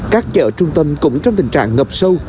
các chợ trung tâm cũng trong tình trạng ngập sâu